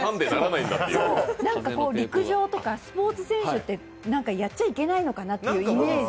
陸上とかスポーツ選手ってやっちゃいけないのかなっていうイメージ。